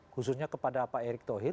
khususnya kepada pak erick thohir